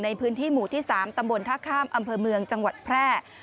ในพื้นที่หมู่ที่๓ตำบลท่าข้ามอำเภอเมืองจังหวัดแพร่